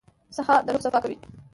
سهار د روح صفا کوي.